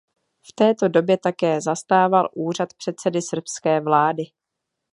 V této době také zastával úřad předsedy srbské vlády.